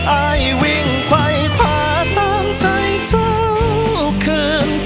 อายวิ่งควายขวาตามใจเจ้าคืน